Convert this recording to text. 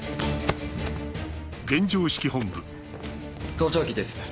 盗聴器です。